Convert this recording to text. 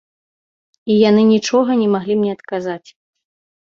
І яны нічога не маглі мне адказаць.